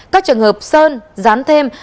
các trường hợp sơn rán thêm